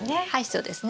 そうですね。